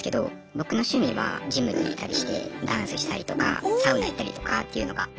僕の趣味はジムに行ったりしてダンスしたりとかサウナ行ったりとかっていうのが。